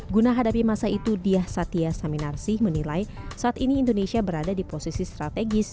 guna hadapi masa itu diah satya saminarsi menilai saat ini indonesia berada di posisi strategis